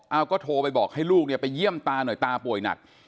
เอาก็โทรไปบอกให้ลูกเนี่ยไปเยี่ยมตาหน่อยตาป่วยหนัก